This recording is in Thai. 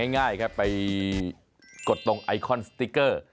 ง่ายครับไปกดตรงไอคอนสติ๊กเกอร์